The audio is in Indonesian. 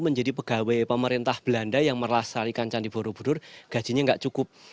menjadi pegawai pemerintah belanda yang merasarikan candi borobudur gajinya nggak cukup